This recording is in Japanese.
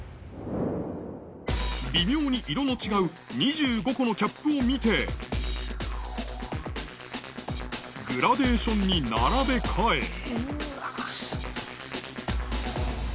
微妙に色の違う２５個のキャップを見て、グラデーションに並べ替え。